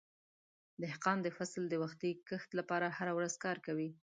دهقان د فصل د وختي کښت لپاره هره ورځ کار کوي.